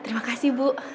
terima kasih bu